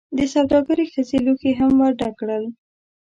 دسوداګرې ښځې لوښي هم ورډک کړل.